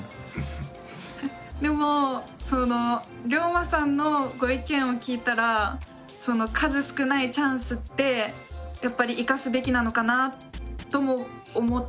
でもりょうまさんのご意見を聞いたら数少ないチャンスってやっぱり生かすべきなのかなとも思ったし。